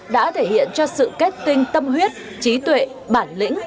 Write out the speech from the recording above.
đã thể hiện cho sự kết tinh tâm huyết trí tuệ bản lĩnh